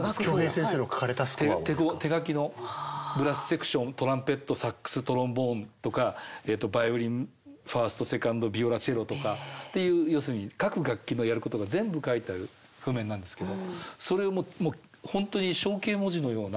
手書きのブラスセクショントランペットサックストロンボーンとかバイオリンファーストセカンドビオラチェロとかっていう要するに各楽器のやることが全部書いてある譜面なんですけどそれを本当に象形文字のような。